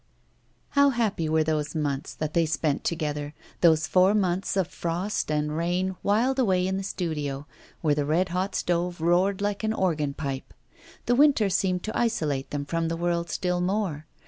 How happy were those months that they spent together, those four months of frost and rain whiled away in the studio, where the red hot stove roared like an organ pipe! The winter seemed to isolate them from the world still more.